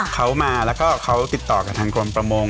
เขามาแล้วก็เขาติดต่อกับทางกรมประมง